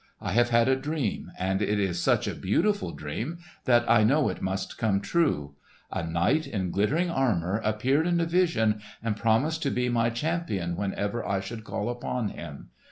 I have had a dream, and it is such a beautiful dream that I know it must come true. A knight in glittering armour appeared in a vision and promised to be my champion whenever I should call upon him.